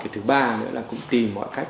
thứ ba nữa là tìm mọi cách